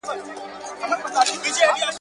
ایا ته غواړې چي د الله تعالی له بښنې برخمن شې؟